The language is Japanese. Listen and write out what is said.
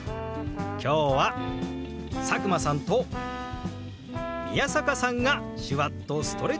今日は佐久間さんと宮坂さんが手話っとストレッチ！